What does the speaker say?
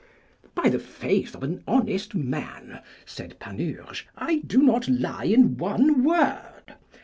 By the faith of an honest man, said Panurge, I do not lie in one word.